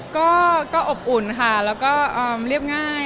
เป็นยังไงบ้างบรรยากาศเป็นยังไงคะ